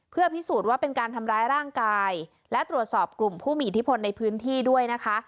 เพื่อพิสูจน์ว่าเป็นการทำร้ายร่างกายและตรวจสอบกลุ่มผู้มีอิทธิพลในพื้นที่ด้วยนะคะ